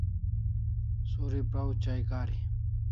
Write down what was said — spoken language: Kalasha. Suri praw chai kari